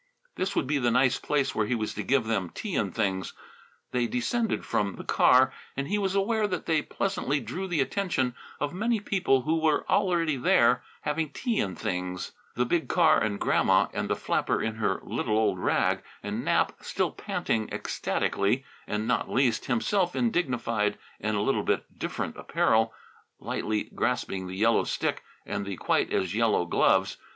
This would be the nice place where he was to give them tea and things. They descended from the car, and he was aware that they pleasantly drew the attention of many people who were already there having tea and things: the big car and Grandma and the flapper in her little old rag and Nap still panting ecstatically, and, not least, himself in dignified and a little bit different apparel, lightly grasping the yellow stick and the quite as yellow gloves.